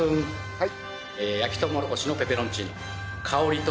はい。